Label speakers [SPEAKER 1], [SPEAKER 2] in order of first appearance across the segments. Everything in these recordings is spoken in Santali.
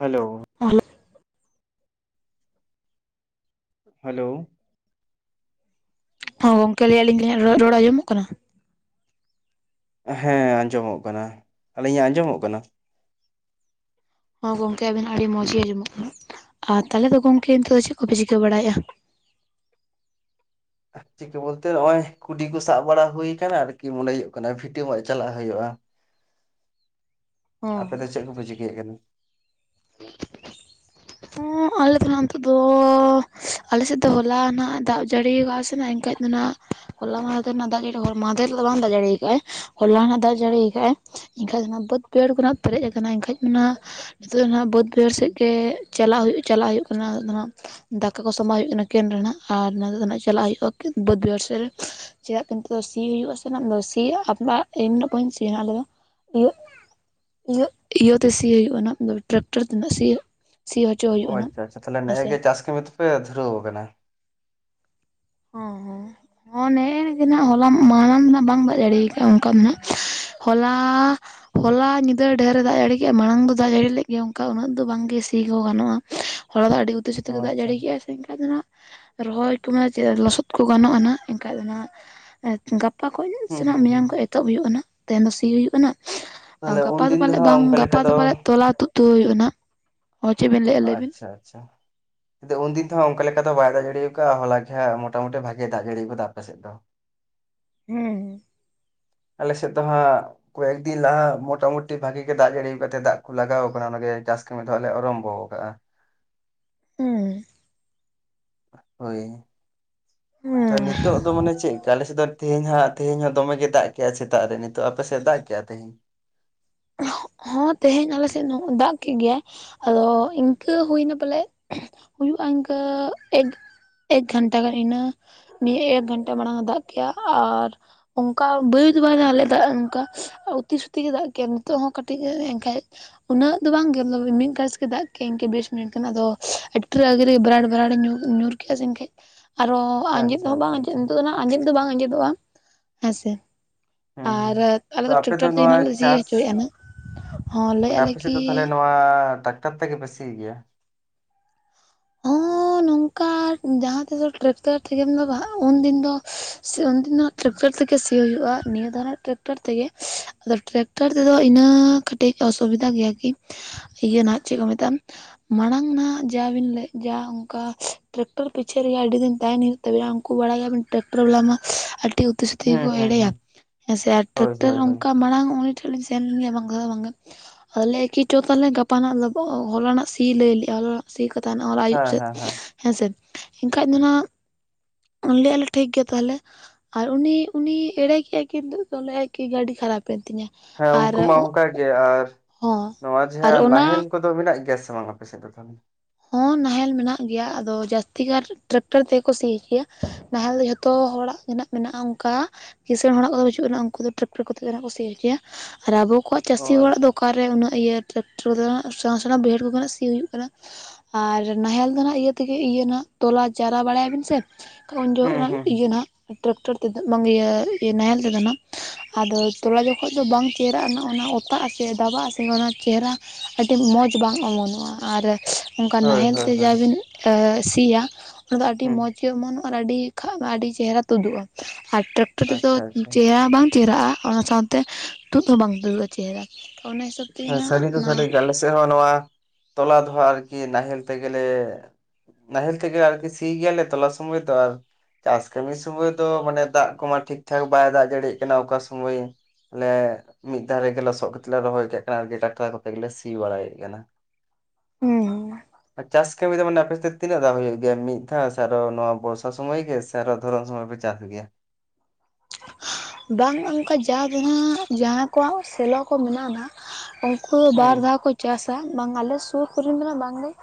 [SPEAKER 1] ᱦᱮᱞᱳ
[SPEAKER 2] ᱦᱮᱞᱳ
[SPEAKER 1] ᱦᱮᱞᱳ
[SPEAKER 2] ᱦᱚᱸ ᱜᱚᱝᱠᱮ ᱞᱟᱹᱭ ᱟᱹᱞᱤᱧ ᱡᱟᱦᱟᱭᱟᱜ ᱨᱚᱲ ᱟᱸᱡᱚᱢᱚᱜ ᱠᱟᱱᱟ
[SPEAKER 1] ᱦᱮᱸ ᱟᱸᱡᱚᱢᱚᱜ ᱠᱟᱱᱟ ᱟᱹᱞᱤᱧᱟᱜ ᱟᱸᱡᱚᱢᱚᱜ ᱠᱟᱱᱟ
[SPEAKER 2] ᱦᱚᱸ ᱜᱚᱢᱠᱮ ᱟᱵᱮᱱᱟᱜ ᱟᱹᱰᱤ ᱢᱚᱸᱡᱽ ᱜᱮ ᱟᱸᱡᱚᱢᱚᱜ ᱠᱟᱱᱟ ᱟᱨ ᱛᱟᱦᱚᱞᱮ ᱫᱚ ᱜᱚᱢᱠᱮ ᱱᱤᱛᱚᱜ ᱫᱚ ᱪᱮᱫ ᱠᱚᱯᱮ ᱪᱤᱠᱟᱹ ᱵᱟᱲᱟᱭᱮᱫᱼᱟ
[SPEAKER 1] ᱪᱤᱠᱟᱹ ᱵᱚᱞᱛᱮ ᱱᱚᱜᱼᱚᱭ ᱠᱩᱰᱤ ᱠᱚ ᱥᱟᱵ ᱵᱟᱲᱟ ᱦᱩᱭ ᱠᱟᱱᱟ ᱟᱨᱠᱤ ᱢᱚᱱᱮ ᱦᱩᱭᱩᱜ ᱠᱟᱱᱟ ᱵᱷᱤᱴᱟᱹ ᱢᱚᱜ ᱪᱟᱞᱟᱜ ᱦᱩᱭᱩᱜᱼᱟ
[SPEAKER 2] ᱦᱚᱸ
[SPEAKER 1] ᱟᱯᱮ ᱫᱚ ᱪᱮᱫ ᱠᱚᱯᱮ ᱪᱤᱠᱟᱹᱭᱮᱜ ᱠᱟᱱᱟ
[SPEAKER 2] ᱟᱞᱮ ᱛᱚ ᱱᱤᱛᱚᱜ ᱫᱚ ᱟᱞᱮᱥᱮᱫ ᱫᱚ ᱦᱚᱞᱟ ᱱᱟᱦᱟᱜ ᱫᱟᱜ ᱡᱟᱹᱲᱤ ᱟᱠᱟ ᱥᱮᱮᱱᱟ ᱮᱱᱠᱟᱱᱡ [inaudible] ᱚᱱᱟ ᱦᱚᱞᱟ ᱢᱟᱦᱫᱮᱨ ᱨᱮᱱᱟᱜ ᱫᱟᱜ ᱡᱟᱹᱲᱤ ᱦᱚᱲ ᱢᱟᱦᱫᱮᱨ ᱫᱚ ᱵᱟᱝ ᱫᱟᱜ ᱡᱟᱲᱤ ᱠᱟᱫᱟᱭ ᱦᱚᱞᱟ ᱱᱟᱜ ᱫᱟᱜ ᱡᱟᱲᱤ ᱠᱟᱜᱼᱟᱭ ᱮᱱᱠᱷᱟᱡ ᱫᱚ ᱵᱟᱹᱫᱽ ᱵᱟᱹᱭᱦᱟᱹᱲ ᱠᱚ ᱦᱟᱸᱜ ᱯᱮᱨᱮᱡ ᱟᱠᱟᱱᱟ ᱮᱱᱠᱷᱟᱡ ᱫᱚ ᱱᱤᱛᱚᱜ ᱫᱚ ᱦᱟᱸᱜ ᱵᱟᱹᱫᱽ ᱵᱟᱹᱭᱦᱟᱹᱲ ᱥᱮᱫ ᱜᱮ ᱪᱟᱞᱟᱜ ᱦᱩᱭᱩᱜ ᱪᱟᱞᱟᱜ ᱦᱩᱭᱩᱜ ᱠᱟᱱᱟ ᱚᱱᱟ ᱫᱟᱠᱟ ᱠᱚ ᱥᱟᱸᱵᱟᱣ ᱦᱩᱭᱩᱜ ᱠᱟᱱᱟ ᱠᱮᱱ ᱨᱮᱱᱟᱜ ᱟᱨ ᱱᱤᱛᱚᱜ ᱫᱚ ᱪᱟᱞᱟᱜ ᱦᱩᱭᱩᱜᱼᱟ ᱵᱟᱹᱫ ᱵᱟᱹᱭᱦᱟᱹᱲ ᱥᱮᱫ ᱨᱮ ᱪᱮᱫᱟᱜ ᱱᱤᱛᱚᱜ ᱫᱚ ᱥᱤ ᱦᱩᱭᱩᱜ ᱟᱥᱮ ᱦᱟᱜ ᱥᱤ ᱟᱵ [unintelligible] ᱟᱞᱮ ᱫᱚ ᱤᱭᱟᱹ ᱤᱭᱟᱹ ᱤᱭᱟᱹᱛᱮ ᱥᱤᱭ ᱦᱩᱭᱩᱜᱼᱟ ᱚᱱᱟᱫᱚ ᱴᱨᱟᱠᱴᱚᱨ ᱛᱮᱱᱟᱜ ᱥᱤᱭ ᱦᱩᱭᱩᱜ ᱾ ᱥᱤ ᱦᱚ
[SPEAKER 1] ᱚ ᱟᱪᱪᱷᱟ ᱟᱪᱪᱷᱟ ᱛᱟᱦᱚᱞᱮ ᱱᱮ ᱮ ᱜᱮ ᱪᱟᱥ ᱠᱟᱹᱢᱤ ᱫᱚ ᱯᱮ ᱫᱷᱩᱨᱟᱹᱣ ᱟᱠᱟᱱᱟ
[SPEAKER 2] ᱦᱚᱸ ᱦᱚᱸ ᱱᱮ ᱮ ᱜᱮ ᱱᱟᱜ ᱦᱚᱞᱟ ᱢᱟᱲᱟᱝ ᱨᱮᱱᱟᱜ ᱵᱟᱝ ᱵᱟᱡ ᱫᱟᱲᱮᱠᱟᱜ ᱼᱟ ᱚᱱᱠᱟ ᱢᱟᱱᱟᱜ ᱦᱚᱞᱟ ᱦᱚᱞᱟ ᱧᱤᱫᱟᱹ ᱰᱷᱮᱨ ᱮ ᱫᱟᱜ ᱡᱟᱹᱲᱤ ᱠᱮᱫᱼᱟ ᱢᱟᱲᱟᱝ ᱫᱚ ᱫᱟᱜ ᱡᱟᱹᱲᱤ ᱞᱮᱫ ᱜᱮ ᱚᱱᱠᱟ ᱩᱱᱟᱹᱜ ᱫᱚ ᱵᱟᱝᱜᱮ ᱥᱤ ᱦᱚᱸ ᱜᱟᱱᱚᱜᱼᱟ ᱦᱚᱞᱟ ᱫᱚ ᱟᱹᱰᱤ ᱩᱛᱤ ᱥᱩᱛᱤ
[SPEAKER 1] ᱚ
[SPEAKER 2] ᱜᱮ ᱫᱟᱜ
[SPEAKER 1] ᱟᱪᱪᱷᱟ
[SPEAKER 2] ᱡᱟᱹᱲᱤ ᱠᱮᱫᱼᱟᱭ ᱥᱮ ᱮᱱᱠᱷᱟᱡ ᱫᱚ ᱦᱟᱸᱜ ᱨᱚᱦᱚᱭ ᱠᱚᱢᱟ ᱪᱮᱫᱟᱜ ᱞᱚᱥᱚᱫ ᱠᱚ ᱜᱟᱱᱚᱜ ᱟᱱᱦᱟᱜ ᱮᱱᱠᱷᱟᱡ ᱫᱚᱱᱟᱜ ᱜᱟᱯᱟ ᱠᱷᱚᱱ ᱥᱮ
[SPEAKER 1] ᱦᱩᱸ ᱦᱩᱸ ᱦᱩᱸ
[SPEAKER 2] ᱢᱮᱭᱟᱝ ᱠᱷᱚᱡ ᱛᱳᱜ ᱦᱩᱭᱩᱜ ᱠᱟᱱᱟ ᱛᱮᱱ ᱫᱚ ᱥᱤ ᱦᱩᱭᱩᱜ ᱠᱟᱱᱟ
[SPEAKER 1] ᱛᱟᱦᱚᱞᱮ
[SPEAKER 2] ᱜᱟᱯᱟ ᱫᱚ
[SPEAKER 1] ᱩᱱᱫᱤᱱ
[SPEAKER 2] ᱯᱟᱞᱮᱫ
[SPEAKER 1] ᱦᱟᱸᱜ
[SPEAKER 2] ᱵᱟᱝ
[SPEAKER 1] ᱚᱱᱠᱟ
[SPEAKER 2] ᱜᱟᱯᱟ
[SPEAKER 1] ᱞᱮᱠᱟ
[SPEAKER 2] ᱫᱚ ᱯᱟᱞᱮᱫ ᱛᱚᱞᱟ ᱛᱩᱫ, ᱛᱳᱜ ᱦᱩᱭᱩᱜ-ᱟ ᱱᱟᱜ, ᱚ ᱪᱮᱫ ᱵᱤᱱ ᱞᱮᱜ, ᱞᱟᱹᱭ
[SPEAKER 1] ᱟᱪᱪᱷᱟ ᱟᱪᱪᱷᱟ ᱛᱩ ᱩᱱᱫᱤᱱ ᱛᱚ ᱦᱟᱜ ᱚᱱᱠᱟ ᱞᱮᱠᱟ ᱫᱚ ᱵᱟᱭ ᱫᱟᱜ ᱡᱟᱹᱲᱤ ᱠᱟᱜᱼᱟ ᱦᱚᱞᱟ ᱜᱮ ᱦᱟᱸᱜ ᱢᱚᱴᱟ ᱢᱩᱴᱤ ᱵᱷᱟᱜᱮᱭ ᱫᱟᱜ ᱡᱟᱹᱲᱤ ᱠᱟᱫᱟ ᱟᱯᱮ ᱥᱮᱫ ᱫᱚ
[SPEAKER 2] ᱦᱮᱸ ᱦᱮᱸ
[SPEAKER 1] ᱟᱞᱮ ᱥᱮᱫ ᱫᱚ ᱦᱟᱸᱜ ᱠᱚᱭᱮᱠ ᱫᱤᱱ ᱞᱟᱦᱟ ᱢᱚᱴᱟ ᱢᱩᱴᱤ ᱵᱷᱟᱜᱤ ᱜᱮ ᱫᱟᱜ ᱡᱟᱹᱲᱤ ᱠᱟᱜ ᱛᱟᱦᱮᱱ ᱫᱟᱜ ᱠᱚ ᱞᱟᱜᱟᱣ ᱟᱠᱟᱱᱟ ᱜᱮ ᱡᱟᱹᱥ ᱱᱚᱜᱼᱚᱭ ᱫᱟᱜ ᱫᱚ ᱟᱨᱨᱟᱢᱵᱷᱚ ᱠᱟᱜᱼᱟ ᱾
[SPEAKER 2] ᱦᱮᱸ
[SPEAKER 1] ᱦᱳᱭ ᱛᱚ
[SPEAKER 2] ᱦᱩᱸ
[SPEAKER 1] ᱱᱤᱛᱚᱜ ᱫᱚ ᱢᱟᱱᱮ ᱪᱮᱫ ᱞᱮᱠᱟ ᱟᱞᱮᱥᱮᱫ ᱫᱚ ᱛᱮᱦᱮᱧ ᱦᱟᱸᱜ ᱛᱮᱦᱮᱧ ᱦᱚᱸ ᱫᱚᱢᱮ ᱜᱮ ᱫᱟᱜ ᱠᱮᱜ ᱼᱟ ᱥᱮᱛᱟᱜ ᱨᱮ ᱱᱤᱛᱚᱜ ᱟᱯᱮ ᱥᱮᱫ ᱫᱟᱜ ᱠᱮᱫ-ᱟᱭ ᱛᱮᱦᱮᱧ
[SPEAKER 2] ᱦᱚᱸ ᱛᱮᱦᱮᱧ ᱟᱞᱮ ᱥᱮᱫ ᱦᱚ ᱫᱟᱜ ᱠᱮᱫ ᱜᱮᱭᱟᱭ ᱚ ᱤᱱᱠᱟᱹ ᱦᱩᱭᱱᱟ ᱯᱟᱞᱮ ᱦᱩᱭᱩᱜᱼᱟ ᱤᱱᱠᱟᱹ ᱮᱠ, ᱮᱠ ᱜᱷᱚᱱᱴᱟ ᱜᱟᱱ ᱤᱱᱟ ᱱᱤᱭᱟᱹ ᱮᱠ ᱜᱷᱚᱱᱴᱟ ᱢᱟᱲᱟᱝ ᱮ ᱫᱟᱜ ᱠᱮᱜᱼᱟ ᱟᱨ ᱚᱱᱠᱟ ᱵᱟᱹᱭᱤ ᱫᱚ ᱵᱟᱭ ᱫᱟᱜ ᱞᱮᱫᱟ ᱚᱱᱠᱟ ᱩᱛᱤ ᱥᱩᱛᱤ ᱜᱮ ᱫᱟᱜ ᱠᱮᱜᱼᱟ ᱱᱤᱛᱚᱜ ᱦᱚᱸ ᱠᱟᱹᱴᱤᱡ ᱜᱮ ᱮᱝᱠᱷᱟᱡ ᱩᱱᱟᱹᱜ ᱫᱚ ᱵᱟᱝ ᱜᱮ ᱢᱤᱫ ᱯᱟᱥ ᱜᱮ ᱫᱟᱜ ᱠᱮᱫ ᱤᱱᱠᱟᱹ ᱵᱮᱥ ᱢᱤᱱᱤᱴ ᱜᱟᱱ ᱟᱫᱚ ᱟᱹᱰᱤ ᱨᱟᱹᱜᱤ ᱵᱷᱨᱟᱴ ᱵᱷᱨᱟᱴ ᱮ ᱧᱩ ᱧᱩᱨ ᱠᱮᱜ ᱟᱭ ᱥᱮᱧ ᱮᱱᱠᱷᱟᱡ ᱟᱨᱚ ᱦᱚ ᱟᱸᱡᱮᱫ
[SPEAKER 1] ᱟᱪᱪᱷᱟ
[SPEAKER 2] ᱦᱚᱸ ᱵᱟᱝ
[SPEAKER 1] ᱟᱪᱪᱷᱟ
[SPEAKER 2] ᱟᱸᱡᱮᱫ
[SPEAKER 1] ᱟᱪᱪᱷᱟ
[SPEAKER 2] ᱱᱤᱛᱚᱜ ᱫᱚᱜ ᱟᱸᱡᱮᱫ ᱫᱚ ᱵᱟᱝ ᱟᱸᱡᱮᱫᱚᱜᱼᱟ ᱦᱮᱸᱥᱮ,
[SPEAKER 1] ᱦᱩᱸ ᱦᱩᱸ
[SPEAKER 2] ᱟᱨ ᱟᱞᱮ
[SPEAKER 1] ᱛᱚ
[SPEAKER 2] ᱫᱚ
[SPEAKER 1] ᱟᱯᱮ
[SPEAKER 2] ᱴᱮᱠᱴᱚᱨ ᱛᱮᱜᱮᱞᱮ
[SPEAKER 1] ᱱᱚᱣᱟ
[SPEAKER 2] ᱦᱟᱸᱜ ᱥᱤ
[SPEAKER 1] ᱪᱟᱥ
[SPEAKER 2] ᱦᱚᱪᱚᱭᱮᱫᱼᱟ ᱦᱟᱜ
[SPEAKER 1] ᱟᱯᱮ ᱥᱮᱫ ᱫᱚ ᱛᱟᱦᱞᱮ ᱱᱚᱣᱟ ᱴᱟᱠᱴᱟᱨ ᱛᱮᱜᱮ ᱯᱮ ᱥᱤᱭ ᱜᱮᱭᱟ?
[SPEAKER 2] ᱦᱚᱸ ᱱᱚᱝᱠᱟ ᱡᱟᱦᱟᱸ ᱛᱮᱜᱮ ᱴᱨᱟᱠᱴᱟᱨ ᱴᱷᱮᱜᱮᱢ ᱫᱚ ᱵᱟᱝ ᱩᱱᱫᱤᱱ ᱫᱚ ᱥᱤ ᱩᱱᱫᱤᱱ ᱦᱟᱜ ᱴᱨᱟᱠᱴᱟᱨ ᱛᱮᱜᱮ ᱥᱤᱭᱳᱜ ᱦᱩᱭᱩᱜᱼᱟ ᱱᱤᱭᱟᱹ ᱫᱟ ᱱᱟᱦᱟᱜ ᱴᱨᱮᱠᱴᱟᱨ ᱛᱮ ᱜᱮ ᱟᱫᱚ ᱴᱨᱟᱠᱴᱟᱨ ᱛᱮ ᱫᱚ ᱤᱱᱟᱹ ᱠᱟᱹᱴᱤᱡ ᱚᱥᱩᱵᱤᱫᱟ ᱜᱮᱭᱟ ᱠᱤ ᱤᱭᱟᱹ ᱱᱟᱦᱟᱜ ᱪᱮᱫ ᱠᱚ ᱢᱮᱛᱟᱜᱼᱟ ᱢᱟᱲᱟᱝ ᱱᱟ ᱡᱟ ᱵᱤᱱ ᱞᱟᱹᱭ ᱡᱟ ᱚᱱᱠᱟ ᱴᱮᱠᱴᱟᱨ ᱯᱤᱪᱷᱟᱹ ᱨᱮᱜᱮ ᱟᱹᱰᱤ ᱫᱤᱱ ᱛᱟᱦᱮᱱ ᱦᱩᱭᱩᱜ ᱛᱟᱵᱤᱱᱟ ᱩᱱᱠᱩ ᱵᱟᱲᱟᱭ ᱜᱮᱟᱭᱟ ᱵᱤᱱ ᱴᱮᱠᱴᱚᱨ ᱵᱟᱞᱟᱢᱟ ᱟᱹᱰᱤ ᱛᱩᱤ ᱥᱩᱛᱤ
[SPEAKER 1] ᱦᱩᱸ
[SPEAKER 2] ᱜᱮᱠᱚ
[SPEAKER 1] ᱦᱩᱸ
[SPEAKER 2] ᱮᱲᱮᱭᱟ
[SPEAKER 1] ᱦᱩᱸ
[SPEAKER 2] ᱦᱮᱸᱥᱮ ᱟᱨ
[SPEAKER 1] ᱦᱳᱭ
[SPEAKER 2] ᱴᱮᱠᱴᱚᱨ
[SPEAKER 1] ᱦᱳᱭ ᱦᱳᱭ
[SPEAKER 2] ᱚᱱᱠᱟ ᱢᱟᱲᱟᱝ ᱴᱷᱮᱱ ᱞᱤᱧ ᱥᱮᱱ ᱞᱮᱱ ᱜᱮᱭᱟ ᱵᱟᱝ ᱫᱚ ᱵᱟᱝ ᱜᱮ, ᱟᱞᱮ ᱠᱤᱪᱷᱩ ᱛᱟᱞᱮ ᱜᱟᱯᱟ ᱦᱚᱞᱟᱱᱟᱜ ᱥᱤ ᱞᱟᱹᱭᱞᱮᱜᱼᱟ ᱾ ᱦᱚᱞᱟ ᱱᱟᱜ ᱥᱤ ᱠᱟᱛᱷᱟ ᱦᱮᱱᱟᱜ ᱟᱨ ᱟᱹᱭᱩᱵ
[SPEAKER 1] ᱦᱮᱸ
[SPEAKER 2] ᱥᱮᱫ
[SPEAKER 1] ᱦᱮᱸ
[SPEAKER 2] ᱦᱮᱸ ᱥᱮ ᱮᱱᱠᱷᱟᱡ ᱫᱚ ᱱᱟᱦᱜ ᱩᱱᱞ ᱟᱞᱮᱭᱮ ᱴᱷᱤᱠ ᱜᱮᱭᱟ ᱛᱟᱦᱚᱞᱮ ᱟᱨ ᱩᱱᱤ ᱩᱱᱤ ᱮᱲᱮ ᱠᱮᱫᱼᱟᱭ ᱠᱤᱱᱛᱩ ᱫᱚᱞᱮᱟᱭ ᱠᱤ ᱜᱟᱹᱰᱤ ᱠᱷᱟᱨᱟᱯ ᱮᱱ ᱛᱤᱧᱟᱹ
[SPEAKER 1] ᱦᱮᱸ
[SPEAKER 2] ᱟᱨ
[SPEAKER 1] ᱩᱱᱠᱩ ᱢᱟ ᱚᱱᱠᱟ ᱜᱮ ᱟᱨ
[SPEAKER 2] ᱦᱚᱸ
[SPEAKER 1] ᱱᱚᱣᱟ
[SPEAKER 2] ᱟᱨ
[SPEAKER 1] ᱡᱟᱦᱟᱸ
[SPEAKER 2] ᱚᱱᱟ
[SPEAKER 1] ᱱᱟᱦᱮᱞ ᱠᱚ ᱫᱚ ᱢᱮᱱᱟᱜ ᱜᱮᱭᱟ ᱥᱮ ᱵᱟᱝ ᱟᱯᱮ ᱥᱮᱫ ᱫᱚ ᱛᱷᱟᱞᱮ
[SPEAKER 2] ᱦᱚᱸ ᱱᱟᱦᱮᱞ ᱢᱮᱱᱟᱜ ᱜᱮᱭᱟ ᱟᱫᱚ ᱡᱟᱹᱥᱛᱤ ᱠᱟᱨ ᱴᱮᱠᱴᱟᱨ ᱛᱮᱜᱮ ᱠᱚ ᱥᱤ ᱠᱮᱭᱟ ᱾ ᱱᱟᱦᱮᱞ ᱫᱚ ᱡᱷᱚᱛᱚ ᱦᱚᱲᱟᱜ ᱜᱮ ᱢᱮᱱᱟᱜᱼᱟ ᱚᱱᱠᱟ ᱠᱤᱥᱟᱹᱬ ᱦᱚᱲᱟᱜ ᱠᱚ ᱫᱚ ᱵᱟᱪᱩᱜ ᱟᱱᱟ ᱩᱱᱠᱩ ᱫᱚ ᱴᱨᱟᱠᱴᱟᱨ ᱠᱚᱛᱮ ᱱᱟᱦᱟᱜ ᱠᱚ ᱥᱤ ᱦᱚᱪᱚᱭᱟ ᱟᱨ ᱟᱵᱚ ᱠᱚᱣᱟᱜ ᱪᱟᱹᱥᱤ
[SPEAKER 1] ᱦᱳᱭ
[SPEAKER 2] ᱦᱚᱲᱟᱜ ᱫᱟ ᱚᱠᱟ ᱨᱮ ᱩᱱᱟᱹᱜ ᱤᱭᱟᱹ ᱴᱨᱟᱠᱴᱚᱨ ᱠᱚ ᱫᱚ ᱥᱮᱬᱟ ᱥᱮᱬᱟ ᱵᱟᱹᱭᱦᱟᱹᱲ ᱠᱚᱨᱮᱱᱟᱜ ᱥᱤ ᱦᱩᱭᱩᱜ ᱠᱟᱱᱟ ᱟᱨ ᱱᱟᱦᱮᱞ ᱫᱚ ᱱᱟᱜ ᱤᱭᱟᱹ ᱛᱮ ᱜᱮ ᱤᱭᱟᱹ ᱛᱚᱞᱟ ᱪᱟᱨᱟ ᱵᱟᱲᱟᱭ ᱟᱵᱤᱱ ᱥᱮ ᱩᱱ
[SPEAKER 1] ᱦᱩᱸ
[SPEAKER 2] ᱡᱚᱦᱚᱱᱟᱜ
[SPEAKER 1] ᱦᱩᱸ
[SPEAKER 2] ᱤᱭᱟᱹ ᱱᱟᱦᱟᱜ ᱤᱭᱟᱹ ᱦᱟᱸᱜ ᱴᱮᱠᱴᱚᱨ ᱛᱮ ᱫᱚ ᱵᱟᱝ ᱱᱟᱦᱮᱞ ᱛᱮ ᱫᱚ ᱱᱟᱜ, ᱟᱫᱚ ᱛᱚᱞᱟ ᱡᱚᱠᱷᱚᱡ ᱫᱚ ᱵᱟᱝ ᱪᱮᱦᱨᱟᱜ ᱚᱱᱟ ᱚᱛᱟᱜ ᱟᱥᱮ ᱫᱟᱵᱟᱜᱼᱟ, ᱥᱮ ᱚᱱᱟ ᱪᱮᱦᱨᱟ ᱟᱹᱰᱤ ᱢᱚᱡᱽ ᱵᱟᱝ ᱚᱢᱚᱱᱚᱜᱼᱟ ᱟᱨ, ᱚᱱᱠᱟ
[SPEAKER 1] ᱦᱳᱭ
[SPEAKER 2] ᱱᱟᱦᱮᱞ
[SPEAKER 1] ᱦᱳᱭ
[SPEAKER 2] ᱛᱮ
[SPEAKER 1] ᱦᱳᱭ
[SPEAKER 2] ᱡᱟ ᱵᱤᱱ ᱥᱤᱭᱟ ᱚᱱᱟ ᱫᱚ ᱟᱹᱰᱤ
[SPEAKER 1] ᱦᱩᱸ
[SPEAKER 2] ᱢᱚᱡᱽ, ᱜᱮ ᱚᱢᱚᱱᱚᱜᱼᱟ ᱟᱨ ᱟᱹᱰᱤ ᱟᱹᱰᱤ ᱪᱮᱦᱨᱟ ᱛᱩᱫᱩᱜᱼᱟ ᱾ ᱟᱨ ᱴᱮᱠ ᱠᱚᱛᱮ ᱫᱚ
[SPEAKER 1] ᱟᱪᱪᱷᱟ ᱟᱪᱪᱷᱟ
[SPEAKER 2] ᱪᱮᱦᱨᱟ ᱵᱟᱝ ᱪᱮᱦᱨᱟᱜᱼᱟ ᱚᱱᱟ ᱥᱟᱶ ᱛᱮ ᱛᱩᱫ ᱦᱚᱸ ᱵᱟᱝ ᱛᱩᱫᱩᱜᱼᱟ ᱪᱮᱦᱨᱟ ᱛᱚ ᱚᱱᱟ ᱦᱤᱥᱟᱹᱵᱽ
[SPEAKER 1] ᱮ ᱥᱟᱹᱨᱤ ᱫᱚ ᱥᱟᱹᱨᱤ ᱜᱮ ᱟᱞᱮ ᱥᱮᱫ ᱦᱚᱸ ᱱᱚᱣᱟ ᱛᱚᱞᱟ ᱫᱚᱦᱚ ᱟᱨᱠᱤ ᱱᱟᱦᱮᱞ ᱛᱮᱜᱮ ᱞᱮ ᱱᱟᱦᱮᱞ ᱛᱮᱜᱮ ᱟᱨᱠᱤ ᱥᱤ ᱜᱮᱭᱟᱞ ᱛᱚᱞᱟ ᱥᱚᱢᱚᱭ ᱛᱚ ᱟᱨ ᱪᱟᱥ ᱠᱟᱹᱢᱤ ᱥᱳᱢᱳᱭ ᱫᱚ ᱢᱟᱱᱮ ᱫᱟᱜ ᱠᱚᱢᱟ ᱴᱷᱤᱠ ᱴᱷᱟᱠ ᱵᱟᱭ ᱫᱟᱜ ᱡᱟᱲᱤᱭᱮᱜ ᱠᱟᱱᱟ ᱚᱠᱟ ᱥᱳᱢᱳᱭ ᱟᱞᱮ ᱢᱤᱫ ᱫᱷᱟᱨᱮ ᱜᱮ ᱞᱚᱥᱚᱫ ᱠᱟᱛᱮ ᱞᱮ ᱨᱚᱦᱚᱭ ᱠᱮᱫ ᱴᱟᱠᱴᱟᱨ ᱠᱚᱛᱮ ᱜᱮᱞᱮ ᱥᱤ ᱵᱟᱲᱟᱭᱮᱫ ᱠᱟᱱᱟ
[SPEAKER 2] ᱦᱩᱸ
[SPEAKER 1] ᱪᱟᱥ ᱠᱟᱹᱢᱤ ᱫᱚ ᱢᱟᱱᱮ ᱟᱯᱮ ᱥᱮᱛ ᱛᱤᱱᱟᱹᱜ ᱫᱷᱟᱣ ᱦᱩᱭᱩᱜ ᱜᱮᱭᱟ ᱢᱤᱫ ᱫᱷᱟᱣ ᱥᱮ ᱟᱨᱚ ᱱᱚᱣᱟ ᱵᱚᱨᱥᱟ ᱥᱚᱢᱚᱭ ᱜᱮ ᱥᱮ ᱟᱨᱚ ᱫᱷᱚᱨᱚᱱ ᱥᱚᱢᱚᱭ ᱯᱮ ᱪᱟᱥ ᱜᱮᱭᱟ ᱾
[SPEAKER 2] ᱵᱟᱝ ᱚᱱᱠᱟ ᱡᱟ ᱫᱚ ᱦᱟᱸᱜ ᱡᱟᱦᱟᱸ ᱠᱚᱣᱟᱜ ᱥᱮᱞᱳ ᱠᱚ ᱢᱮᱱᱟᱜᱼᱟ ᱱᱟᱦᱟᱜ ᱩᱱᱠᱩ ᱫᱚ
[SPEAKER 1] ᱦᱩᱸ
[SPEAKER 2] ᱵᱟᱨ ᱫᱷᱟᱣ ᱠᱚ ᱪᱟᱥᱟ ᱵᱟᱝ ᱟᱞᱮ ᱥᱩᱨ ᱠᱚᱨᱮᱱ ᱫᱚ ᱵᱟᱝ ᱜᱮ ᱾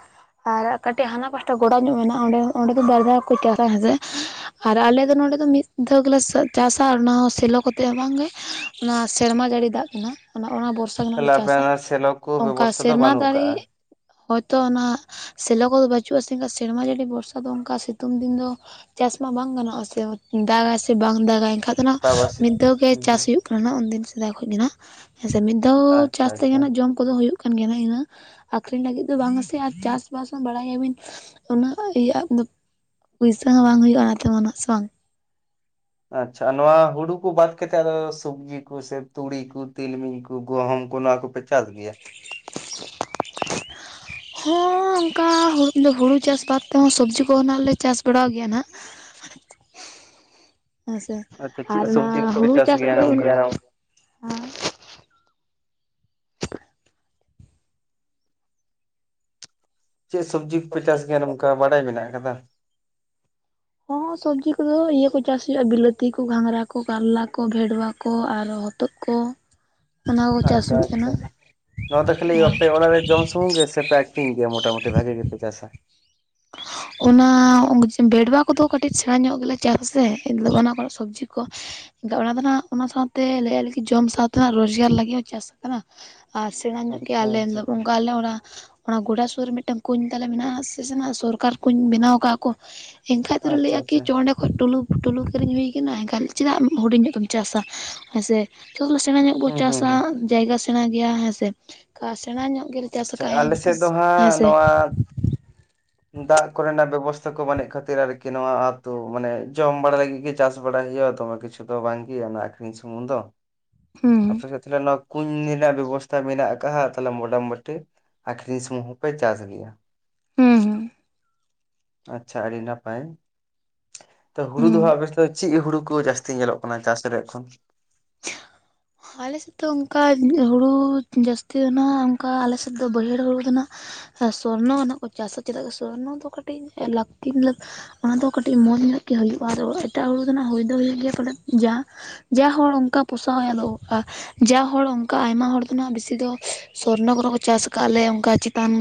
[SPEAKER 2] ᱟᱨ ᱠᱟᱹᱴᱤᱡ ᱦᱟᱱᱟ ᱯᱟᱥᱴᱟ ᱜᱚᱰᱟ ᱧᱚᱜ ᱢᱮᱱᱟᱜᱼᱟ ᱚᱸᱰᱮ ᱚᱸᱰᱮ ᱫᱚ ᱵᱟᱨ ᱫᱷᱟᱣ ᱠᱚ ᱪᱟᱥᱟ ᱦᱮᱸᱥᱮ ᱟᱨ ᱟᱞᱮ ᱫᱚ ᱱᱚᱰᱮ ᱫᱚ ᱢᱤᱫ ᱫᱷᱟᱹᱣ ᱜᱮᱞᱟ ᱥᱟᱼ ᱪᱟᱥᱟ ᱟᱨ ᱚᱱᱟ ᱦᱚᱸ ᱥᱮᱞᱚ ᱠᱟᱛᱮ ᱦᱚᱸ ᱵᱟᱝᱜᱮ ᱚᱱᱟ ᱥᱮᱨᱢᱟ ᱡᱟᱹᱲᱤ ᱫᱟᱜ ᱠᱷᱚᱱᱟ ᱚᱱᱟ ᱚᱱᱟ ᱵᱚᱨᱥᱟ [unintelligible] ᱞᱮ
[SPEAKER 1] ᱛᱟᱦᱞᱮ ᱟᱯᱮ
[SPEAKER 2] ᱪᱟᱥᱟ
[SPEAKER 1] ᱚᱱᱟ ᱥᱮᱞᱚ ᱠᱚ
[SPEAKER 2] ᱾ ᱚᱱᱠᱟ
[SPEAKER 1] ᱵᱮᱵᱚᱥᱛᱷᱟ ᱫᱚ
[SPEAKER 2] ᱥᱮᱨᱢᱟ
[SPEAKER 1] ᱵᱟᱹᱱᱩᱜ
[SPEAKER 2] ᱫᱟᱨᱮ
[SPEAKER 1] ᱠᱟᱜᱼᱟ
[SPEAKER 2] ᱦᱳᱭᱛᱳ ᱚᱱᱟ ᱥᱮᱞᱚ ᱠᱚᱫᱚ ᱵᱟᱹᱪᱩᱜ ᱟ ᱥᱮ ᱥᱮᱨᱢᱟ ᱡᱟᱹᱲᱤ ᱵᱚᱨᱥᱟ ᱫᱚ ᱚᱱᱠᱟ ᱥᱤᱛᱩᱝ ᱫᱤᱱ ᱫᱚ ᱪᱟᱥ ᱢᱟ ᱵᱟᱝ ᱜᱟᱱᱚᱜᱼᱟᱥᱮ ᱫᱟᱜᱟᱭ ᱥᱮ ᱵᱟᱝ ᱫᱟᱜ ᱟᱜ ᱮᱱᱠᱷᱟᱱ ᱫᱚ
[SPEAKER 1] ᱵᱟᱵᱟ ᱥᱮ
[SPEAKER 2] ᱢᱤᱫ ᱫᱷᱟᱣ ᱜᱮ
[SPEAKER 1] ᱦᱩᱸ
[SPEAKER 2] ᱪᱟᱥ
[SPEAKER 1] ᱦᱩᱸ
[SPEAKER 2] ᱦᱩᱭᱩᱜ ᱠᱟᱱᱟ ᱩᱱᱫᱤᱱ ᱥᱮᱫᱟᱭ ᱠᱷᱚᱱ ᱜᱮ ᱱᱟᱦᱟᱜ ᱦᱮ ᱥᱤ ᱢᱤᱫ ᱫᱷᱟᱣ
[SPEAKER 1] ᱟᱪᱪᱷᱟ
[SPEAKER 2] ᱪᱟᱥ ᱛᱮᱜᱮ
[SPEAKER 1] ᱟᱪᱪᱷᱟ
[SPEAKER 2] ᱱᱟᱜ ᱡᱚᱢ ᱠᱚᱫᱚ ᱦᱩᱭᱩᱜ ᱠᱟᱱ ᱜᱮᱭᱟ ᱤᱱᱟᱹ ᱟᱠᱷᱨᱤᱧ ᱞᱟᱹᱜᱤᱫ ᱫᱚ ᱵᱟᱝ ᱟᱥᱮ ᱟᱨ ᱪᱟᱥ ᱵᱟᱥ ᱦᱚᱸ ᱵᱟᱲᱟᱭ ᱜᱮᱭᱟ ᱵᱤᱱ ᱩᱱᱟᱹᱜ ᱤᱭ ᱫᱚ ᱯᱩᱭᱥᱟᱹ ᱦᱚᱸ ᱵᱟᱝ ᱦᱩᱭᱩᱜᱼᱟ ᱚᱱᱟ ᱛᱮ ᱩᱱᱟ ᱥᱮ ᱵᱟᱝ
[SPEAKER 1] ᱟᱪᱪᱷᱟ ᱱᱚᱣᱟ ᱦᱩᱲᱩ ᱠᱚ ᱵᱟᱫ ᱠᱟᱛᱮᱫ ᱟᱫᱚ ᱥᱚᱵᱡᱤ ᱠᱚ ᱥᱮ ᱛᱩᱲᱤ ᱠᱚ ᱛᱤᱞᱢᱤᱧ ᱠᱚ ᱜᱚᱦᱩᱢ ᱠᱚ ᱱᱚᱣᱟ ᱠᱚᱯᱮ ᱪᱟᱥ ᱜᱮᱭᱟ?
[SPEAKER 2] [unintelligible] ᱦᱚᱸ ᱚᱱᱠᱟ ᱦᱩᱲ ᱦᱩᱲᱩ ᱪᱟᱥ ᱵᱟᱫ ᱛᱮᱦᱚᱸ ᱥᱚᱵᱽᱡᱤ ᱠᱚᱦᱚᱸ ᱱᱟᱜ ᱞᱮ ᱪᱟᱥ ᱵᱟᱲᱟᱣ ᱜᱮᱭᱟ ᱱᱟᱸᱜ [unintelligible] ᱦᱮᱸ ᱥᱮ
[SPEAKER 1] ᱟᱪᱪᱷᱟ
[SPEAKER 2] ᱟᱨ
[SPEAKER 1] ᱪᱮᱫ
[SPEAKER 2] ᱚᱱᱟ
[SPEAKER 1] ᱥᱚᱵᱽᱡᱤ ᱠᱚᱯᱮ
[SPEAKER 2] ᱦᱩᱲᱩ ᱪᱟᱥ
[SPEAKER 1] ᱜᱮᱭᱟ
[SPEAKER 2] ᱠᱚᱫᱚ
[SPEAKER 1] ᱱᱚᱝᱠᱟ
[SPEAKER 2] ᱩᱱᱟᱹᱜ
[SPEAKER 1] ᱪᱮᱫ ᱥᱚᱵᱽᱡᱤ ᱠᱚᱯᱮ ᱪᱟᱥ ᱜᱟᱱ ᱱᱚᱝᱠᱟ ᱵᱟᱰᱟᱭ ᱢᱮᱱᱟᱜ ᱟᱠᱟᱫᱟ
[SPEAKER 2] ᱦᱚᱸ ᱥᱚᱵᱽᱡᱤ ᱠᱚᱫᱚ ᱤᱭᱟᱹ ᱠᱚ ᱪᱟᱥ ᱦᱩᱭᱩᱜᱼᱟ ᱵᱤᱞᱟᱹᱛᱤ ᱠᱚ ᱜᱷᱟᱸᱝᱽᱨᱟ ᱠᱚ ᱠᱟᱨᱞᱟ ᱠᱚ ᱵᱷᱮᱰᱣᱟ ᱠᱚ ᱟᱨᱚ ᱦᱚ ᱛᱳᱫ ᱠᱚ ᱚᱱᱟ ᱠᱚ ᱪᱟᱥ
[SPEAKER 1] ᱟᱪᱪᱷᱟ
[SPEAKER 2] ᱦᱩᱭᱩᱜ ᱠᱟᱱᱟ
[SPEAKER 1] ᱟᱪᱪᱷᱟ ᱱᱚᱣᱟ ᱫᱚ ᱠᱷᱟᱹᱞᱤ
[SPEAKER 2] ᱟᱨ
[SPEAKER 1] ᱟᱯᱮ ᱚᱲᱟᱜ ᱨᱮ ᱡᱚᱢ ᱥᱩᱢᱩᱝ ᱜᱮ ᱥᱮ ᱯᱮᱠ ᱴᱷᱤᱧ ᱜᱮᱭᱟ ᱢᱚᱴᱟᱢᱩᱴᱤ ᱵᱷᱟᱜᱮ ᱜᱮᱯᱮ ᱪᱟᱥᱟ?
[SPEAKER 2] ᱚᱱᱟ ᱵᱮᱰᱣᱟ ᱠᱚᱫᱚ ᱠᱟᱹᱴᱤᱡ ᱥᱮᱬᱟ ᱧᱚᱜ ᱜᱮᱞᱮ ᱪᱟᱥ ᱥᱮ ᱚᱱᱟ ᱠᱚᱨᱮ ᱥᱚᱵᱽᱡᱤ ᱠᱚ ᱚᱱᱟ ᱫᱚ ᱦᱟᱸᱜ ᱚᱱᱟ ᱥᱟᱶᱛᱮ ᱞᱟᱹᱭ ᱞᱮ ᱡᱚᱢ ᱥᱟᱶᱛᱮ ᱨᱳᱡᱽᱜᱟᱨ ᱞᱟᱹᱜᱤᱫ ᱦᱚᱸ ᱪᱟᱥ ᱠᱟᱱᱟ ᱟᱨ ᱥᱮᱬᱟ ᱧᱚᱜ
[SPEAKER 1] ᱟᱪᱪᱷᱟ
[SPEAKER 2] ᱜᱮᱭᱟᱞᱮ
[SPEAKER 1] ᱟᱪᱪᱷᱟ
[SPEAKER 2] ᱚᱱᱠᱟ ᱟᱞᱮ ᱚᱱᱟ ᱚᱱᱟ ᱜᱚᱰᱟ ᱥᱩᱨ ᱨᱮ ᱢᱤᱫᱴᱟᱝ ᱠᱩᱧ ᱛᱟᱞᱮ ᱢᱮᱱᱟᱜᱼᱟ ᱥᱮ ᱥᱮᱱᱟᱜ ᱥᱚᱨᱠᱟᱨ ᱠᱩᱧ ᱵᱮᱱᱟᱣ ᱠᱟᱜᱼᱟ ᱠᱚ ᱮᱱᱠᱷᱟᱡ ᱫᱚᱞᱮ
[SPEAKER 1] ᱟᱪᱪᱷᱟ
[SPEAKER 2] ᱞᱟᱹᱭᱮᱜᱼᱟ ᱠᱤ
[SPEAKER 1] ᱟᱪᱪᱷᱟ
[SPEAKER 2] ᱪᱚ ᱚᱸᱰᱮ ᱴᱩᱞᱩ ᱴᱩᱞᱩ ᱠᱤᱨᱤᱧ ᱦᱩᱭ ᱟᱠᱟᱱᱟ ᱮᱱᱠᱷᱟᱱ ᱪᱮᱫᱟᱜ ᱦᱩᱰᱤᱧᱚᱜ ᱫᱚᱢ ᱪᱟᱥᱟ ᱦᱮᱸ ᱥᱮ ᱡᱚᱛᱚᱮ ᱥᱮᱬᱟ ᱧᱚᱜ ᱵᱚ
[SPEAKER 1] ᱦᱩᱸ ᱦᱩᱸ
[SPEAKER 2] ᱪᱟᱥᱟ
[SPEAKER 1] ᱦᱩᱸ
[SPEAKER 2] ᱡᱟᱭᱜᱟ ᱥᱮᱬᱟ ᱜᱮᱭᱟ ᱦᱮᱸᱥᱮ ᱠᱟ ᱥᱮᱬᱟ ᱧᱚᱜ ᱜᱮᱞᱮ ᱪᱟᱥ
[SPEAKER 1] ᱟᱪᱪᱷᱟ
[SPEAKER 2] ᱠᱟᱜ-ᱟ
[SPEAKER 1] ᱟᱞᱮ ᱥᱮᱫ ᱫᱚ
[SPEAKER 2] ᱦᱮᱸ
[SPEAKER 1] ᱦᱟᱸᱜ
[SPEAKER 2] ᱥᱮᱮ
[SPEAKER 1] ᱱᱚᱣᱟ ᱫᱟᱜ ᱠᱚᱨᱮᱱᱟᱜ ᱵᱮᱵᱚᱥᱛᱷᱟ ᱠᱚ ᱵᱟᱹᱱᱩᱜ ᱠᱷᱟᱹᱛᱤᱨ ᱟᱨᱠᱤ ᱱᱚᱣᱟ ᱟᱹᱛᱩ ᱢᱟᱱᱮ ᱡᱚᱢ ᱵᱟᱲᱟ ᱞᱟᱹᱜᱤᱫ ᱜᱮ ᱪᱟᱥ ᱵᱟᱲᱟᱭ ᱦᱩᱭᱩᱜᱼᱟ ᱫᱚᱢᱮ ᱠᱤᱪᱷᱩ ᱾ ᱫᱚ ᱵᱟᱝ ᱜᱮ ᱚᱱᱟ ᱟᱠᱠᱷᱨᱤᱧ ᱥᱩᱢᱩᱝ ᱫᱚ
[SPEAKER 2] ᱦᱩᱸ
[SPEAKER 1] ᱟᱯᱮ ᱥᱮ ᱛᱟᱦᱚᱞᱮ ᱱᱚᱣᱟ ᱠᱩᱧ ᱨᱮᱱᱟᱜ ᱵᱮᱵᱚᱥᱛᱟ ᱢᱮᱱᱟᱜ ᱠᱟᱜᱼᱟ ᱦᱟᱜ ᱛᱟᱦᱞᱮ ᱢᱚᱴᱟᱢᱩᱴᱤ ᱾ ᱟᱠᱷᱨᱤᱧ ᱥᱩᱢᱩᱝ ᱦᱚᱸᱯᱮ ᱪᱟᱥ ᱜᱮᱭᱟ
[SPEAKER 2] ᱦᱩᱸ ᱦᱩᱸ
[SPEAKER 1] ᱟᱪᱪᱷᱟ ᱟᱹᱰᱤ ᱱᱟᱯᱟᱭ ᱾ᱛᱚ ᱦᱩᱲᱩ
[SPEAKER 2] ᱦᱩᱸ
[SPEAKER 1] ᱫᱚ ᱦᱟᱜ ᱵᱮᱥᱛ ᱪᱮᱫ ᱦᱩᱲᱩ ᱠᱚ ᱡᱟᱹᱥᱛᱤ ᱧᱮᱞᱚᱜ ᱠᱟᱱᱟ ᱪᱟᱥᱨᱮ ᱮᱠᱷᱚᱱ?
[SPEAKER 2] [unintelligible] [inaudible] ᱟᱞᱮᱥᱮᱫ ᱫᱚ ᱚᱱᱠᱟ ᱦᱩᱲᱩ ᱡᱟᱹᱥᱛᱤ ᱫᱚ ᱱᱟᱦᱟᱜ ᱚᱱᱠᱟ ᱟᱞᱮᱥᱮᱫ ᱫᱚ ᱵᱟᱹᱭᱦᱟᱹᱲ ᱦᱩᱲᱩ ᱫᱚ ᱱᱟᱜ ᱥᱚᱨᱱᱚ ᱱᱟᱜ ᱠᱚ ᱪᱟᱥᱟ ᱪᱮᱫᱟᱜ ᱥᱮ ᱥᱚᱨᱱᱚ ᱫᱚ ᱠᱟᱹᱴᱤᱡ ᱞᱟᱹᱠᱛᱤ ᱚᱱᱟ ᱫᱚ ᱠᱟᱹᱴᱤᱡ ᱢᱚᱸᱡᱽ ᱧᱚᱜ ᱜᱮ ᱦᱩᱭᱩᱜᱼᱟ ᱟᱫᱚ ᱮᱴᱟᱜ ᱦᱩᱲᱩ ᱫᱚᱱᱟᱜ ᱦᱩᱭ ᱫᱚ ᱦᱩᱭᱩᱜ ᱜᱮᱭᱟ ᱯᱟᱞᱮ ᱡᱟᱸ ᱡᱟ ᱦᱚᱲ ᱚᱱᱠᱟ ᱯᱚᱥᱟᱣ ᱟᱫᱚ ᱚᱠᱟ ᱡᱟ ᱦᱚᱲ ᱚᱱᱠᱟ ᱟᱭᱢᱟ ᱦᱚᱲ ᱫᱚᱱᱟᱜ ᱵᱮᱥᱤ ᱫᱚ ᱥᱚᱨᱱᱚ ᱠᱚᱨᱮ ᱠᱚ ᱪᱟᱥ ᱟᱠᱟᱫ ᱞᱮ ᱚᱱᱠᱟ ᱪᱮᱛᱟᱱ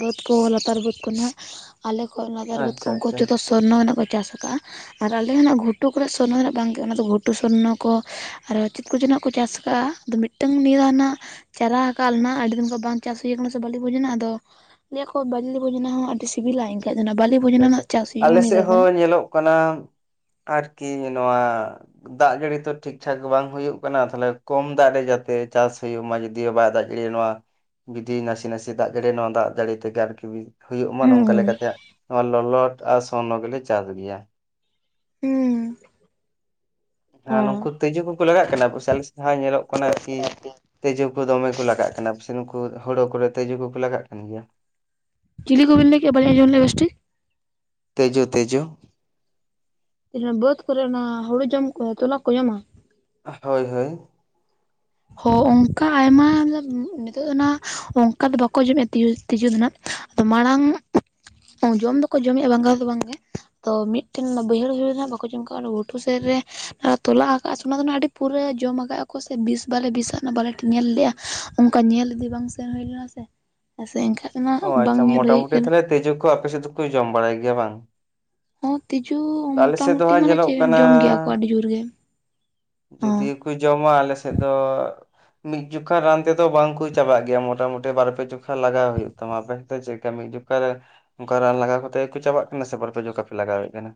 [SPEAKER 2] ᱵᱟᱹᱫᱽ ᱠᱚ ᱞᱟᱛᱟᱨ ᱵᱟᱹᱫᱽ ᱠᱚᱱᱟᱜ ᱟᱞᱮ ᱠᱷᱚᱡ ᱞᱟᱛᱟᱨ ᱵᱟᱹᱫᱽ ᱠᱚ
[SPEAKER 1] ᱟᱪᱪᱷᱟ
[SPEAKER 2] ᱩᱱᱠᱩ
[SPEAKER 1] ᱟᱪᱪᱷᱟ
[SPEAKER 2] ᱡᱚᱛᱚ ᱥᱚᱨᱱᱚ ᱱᱟᱜ ᱠᱚ ᱪᱟᱥ ᱟᱠᱟᱜᱼᱟ ᱟᱨ ᱟᱞᱮ ᱦᱚ ᱱᱟᱜ ᱜᱷᱩᱴᱩ ᱠᱚᱨᱮᱱᱟᱜ ᱥᱚᱨᱱᱚ ᱫᱚ ᱱᱟᱜ ᱵᱟᱝ ᱜᱮ ᱚᱱᱟ ᱫᱚ ᱜᱷᱩᱴᱩ ᱥᱚᱨᱱᱚ ᱠᱚ ᱟᱨ ᱪᱮᱫ ᱠᱚ ᱡᱚᱱᱟᱜ ᱠᱚ ᱪᱟᱥ ᱟᱠᱟᱜᱼᱟ ᱟᱫᱚ ᱢᱤᱫᱴᱟᱝ ᱱᱤᱭᱟᱹ ᱱᱟᱜ ᱪᱟᱨᱟ ᱠᱟᱜ ᱞᱮᱱᱟ ᱟᱹᱰᱤ ᱫᱤᱱ ᱠᱷᱚᱡ ᱵᱟᱝ ᱪᱟᱥ ᱦᱩᱭᱩ ᱠᱟᱱᱟ ᱥᱮ ᱵᱷᱟᱹᱞᱤ ᱵᱩᱡᱽ ᱮᱱᱟ ᱟᱫᱚ ᱞᱟᱹᱭᱟᱠᱚ ᱵᱟᱹᱞᱤ ᱵᱷᱚᱡᱱᱟ ᱦᱚᱸ ᱟᱹᱰᱤ ᱥᱤᱵᱤᱞᱟ ᱮᱱᱠᱷᱟᱱ ᱫᱚ ᱵᱟᱹᱞᱤ ᱵᱷᱚᱡᱱᱟ
[SPEAKER 1] ᱟᱪᱪᱷᱟ ᱟᱪᱪᱷᱟ
[SPEAKER 2] ᱨᱮᱱᱟᱜ ᱪᱟᱥ ᱦᱩᱭᱩᱜ ᱠᱟᱱᱟ
[SPEAKER 1] ᱟᱞᱮ
[SPEAKER 2] ᱱᱤᱭᱟᱹ
[SPEAKER 1] ᱥᱮᱫ
[SPEAKER 2] ᱫᱷᱟᱭ ᱦᱟᱜ
[SPEAKER 1] ᱦᱚᱸ ᱧᱮᱞᱚᱜ ᱠᱟᱱᱟ ᱟᱨᱠᱤ ᱱᱚᱣᱟᱼᱼ ᱫᱟᱜ ᱡᱟᱹᱲᱤ ᱛᱚ ᱴᱷᱤᱠ ᱴᱷᱟᱠ ᱵᱟᱝ ᱦᱩᱭᱩᱜ ᱠᱟᱱᱟ ᱛᱟᱦᱟᱚᱞᱮ ᱠᱚᱢ ᱫᱟᱜ ᱨᱮ ᱡᱟᱛᱮ ᱪᱟᱥ ᱦᱩᱭᱩᱜ ᱢᱟ ᱡᱩᱫᱤ ᱭᱳ ᱵᱟᱭ ᱫᱟᱜᱼᱼ [inaudible] ‌ ᱱᱚᱶᱟ ᱵᱤᱫᱤ ᱱᱟᱥᱮ ᱱᱟᱥᱮ ᱫᱟᱜ ᱡᱟᱹᱲᱤ ᱱᱚᱣᱟ ᱫᱟᱜ ᱡᱟᱲᱤ ᱛᱮᱜᱮ ᱟᱨ ᱠᱤ ᱦᱩᱭᱩᱜ ᱢᱟ
[SPEAKER 2] ᱦᱩᱸ
[SPEAKER 1] ᱱᱚᱝᱠᱟ ᱞᱮᱠᱟ ᱛᱮ ᱱᱚᱣᱟ ᱞᱚᱞᱟᱴ ᱟᱨ ᱥᱚᱨᱱᱚ ᱜᱮᱞᱮ ᱪᱟᱥ ᱜᱮᱭᱟ᱾
[SPEAKER 2] ᱦᱩᱸ
[SPEAKER 1] ᱟᱸᱻ
[SPEAKER 2] ᱦᱮᱸ
[SPEAKER 1] ᱱᱩᱝᱠᱩ ᱛᱤᱡᱩ ᱠᱩ ᱞᱟᱜᱟᱜ ᱠᱟᱱᱟ ᱟᱞᱮ ᱥᱮ ᱦᱚᱸ ᱧᱮᱞᱚᱜ ᱠᱟᱱᱟ ᱟᱨᱠᱤᱼᱼ ᱛᱤᱡᱩ ᱠᱚ ᱫᱚᱢᱮ ᱠᱚ ᱞᱟᱜᱟᱜ ᱠᱟᱱᱟ ᱥᱮ ᱱᱩᱠᱩ ᱦᱩᱲᱩ ᱠᱚᱨᱮ ᱛᱤᱡᱩ ᱠᱩᱠᱩ ᱞᱟᱜᱟᱜ ᱠᱟᱱ ᱜᱮᱭᱟ᱾
[SPEAKER 2] ᱪᱤᱞᱤ ᱠᱩᱵᱤᱱ ᱞᱟᱹᱭ ᱠᱮᱜ ᱵᱟᱞᱤᱧ‌ ᱟᱧᱡᱚᱢ‌ ᱞᱮᱜ ᱵᱮᱥ ᱴᱷᱤᱠ?
[SPEAKER 1] ᱛᱮᱡᱚ ᱛᱮᱡᱚᱼᱼ
[SPEAKER 2] ᱤᱱᱟᱹ ᱵᱟᱹᱛᱷ ᱠᱚᱨᱮ ᱚᱱᱟ ᱦᱩᱲᱩ ᱡᱚᱢ ᱠᱚ ᱛᱚᱞᱟ ᱠᱚ ᱡᱚᱢᱟ?
[SPEAKER 1] ᱦᱚᱭ ᱦᱳᱭ᱾
[SPEAKER 2] ᱦᱳᱻ ᱚᱱᱠᱟ ᱟᱭᱢᱟ ᱱᱤᱛᱚᱜ ᱫᱚ ᱱᱟᱸᱜ ᱚᱱᱠᱟ ᱫᱚ ᱵᱟᱠᱚ ᱡᱚᱢᱮᱜᱼᱟ ᱛᱤᱡᱩ ᱫᱚ ᱱᱟᱜ ᱟᱫᱚ ᱢᱟᱲᱟᱝ ᱡᱚᱢ ᱫᱚᱠᱚ ᱡᱚᱢᱮᱜᱼᱟ ᱵᱟᱝᱜᱟ ᱫᱚ ᱵᱟᱝᱜᱮ ᱛᱚ ᱢᱤᱫᱴᱮᱱ ᱵᱟᱹᱭᱦᱟᱹᱲ ᱦᱩᱭ ᱱᱟᱦᱟᱸᱜ ᱵᱟᱠᱚ ᱡᱚᱢ ᱠᱟᱜ-ᱟ ᱜᱷᱩᱴᱩ ᱥᱮᱜ ᱨᱮᱼᱼ ᱟᱸᱻ ᱛᱚᱞᱟ ᱟᱠᱟᱜ-ᱟ ᱥᱮ ᱚᱱᱟ ᱫᱚ ᱱᱟᱜ ᱟᱹᱰᱤ ᱯᱩᱨᱟᱹ ᱡᱚᱢ ᱟᱠᱟᱜ-ᱟ ᱠᱚ ᱥᱮ ᱵᱤᱥᱼᱼ ᱵᱟᱞᱮ ᱵᱤᱥᱟᱜ ᱱᱟ ᱵᱟᱞᱮ ᱴᱷᱮ ᱧᱮᱞ ᱞᱮᱜ-ᱟ ᱚᱱᱠᱟ ᱧᱮᱞ ᱤᱫᱤ ᱵᱟᱝ ᱥᱮᱱ ᱦᱩᱭ ᱞᱮᱱᱟ ᱥᱮ, ᱦᱮᱸ ᱥᱮ ᱮᱱᱠᱷᱟᱡᱼᱼ
[SPEAKER 1] ᱚᱸᱻ ᱟᱪᱪᱷᱟ ᱢᱚᱴᱟᱼᱢᱩᱴᱤ ᱛᱟᱦᱚᱞᱮ ᱛᱤᱡᱩ ᱠᱚ ᱟᱯᱮ ᱥᱮᱜ ᱫᱩᱠᱩ ᱡᱚᱢ ᱵᱟᱲᱟᱭ ᱜᱮᱭᱟ ᱵᱟᱝ?
[SPEAKER 2] ᱦᱚᱸ ᱛᱤᱡᱩ
[SPEAKER 1] ᱟᱞᱮ ᱥᱮᱫ ᱫᱚ
[SPEAKER 2] ᱢᱚᱴᱟ-ᱢᱩᱴᱤ
[SPEAKER 1] ᱦᱟᱸᱜ
[SPEAKER 2] ᱢᱟᱱᱮ
[SPEAKER 1] ᱧᱮᱞᱚᱜ
[SPEAKER 2] ᱪᱮᱜ
[SPEAKER 1] ᱠᱟᱱᱟ
[SPEAKER 2] ᱡᱚᱢ ᱜᱮᱭᱟ ᱠᱚ ᱟᱰᱤ ᱡᱩᱨ ᱜᱮ᱾ ᱦᱚᱸ
[SPEAKER 1] ᱡᱩᱫᱤ ᱠᱩ ᱡᱚᱢᱟ ᱟᱞᱮ ᱥᱮᱜ ᱫᱚᱼᱼ ᱢᱤᱫ ᱡᱩᱠᱷᱟ ᱨᱟᱱ ᱛᱮᱫᱚ ᱵᱟᱝ ᱠᱩ ᱪᱟᱵᱟᱜ ᱜᱮᱭᱟ ᱢᱚᱴᱟᱼᱢᱩᱴᱤ ᱵᱟᱨ ᱯᱮ ᱡᱚᱠᱷᱟ ᱞᱟᱜᱟᱣ ᱦᱩᱭᱩᱜ ᱛᱟᱢᱟ ᱵᱮᱥ ᱛᱮ [inaudible] ᱚᱠᱟ ᱨᱮ ᱚᱱᱠᱟ ᱨᱟᱱ ᱞᱟᱜᱟᱣ ᱠᱟᱛᱮᱜ ᱠᱩ ᱪᱟᱵᱟᱜ ᱠᱟᱱᱟ ᱥᱮ ᱵᱟᱨ ᱯᱮ ᱡᱚᱠᱟ ᱯᱮ ᱞᱟᱜᱟᱣᱮᱜ ᱠᱟᱱᱟ?